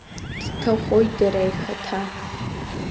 Дҭахоит иара ихаҭа.